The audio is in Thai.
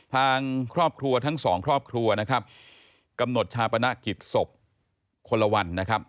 ทางครอบครัวทั้งสองครอบครัวนะครับกำหนดชาปนกิจศพคนละวันนะครับ